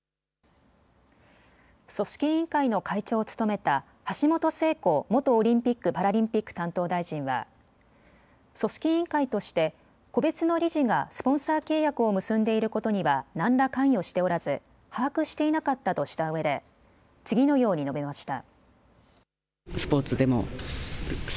組織委員会の会長を務めた橋本聖子元オリンピック・パラリンピック担当大臣は組織委員会として個別の理事がスポンサー契約を結んでいることには何ら関与しておらず把握していなかったとしたうえで次のように述べました。